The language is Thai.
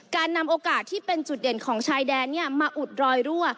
การนำโอกาสที่เป็นจุดเด่นของชายแดนมาอุดรอยรั่ว